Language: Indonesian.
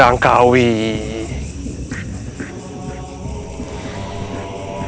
apa yang kamu inginkan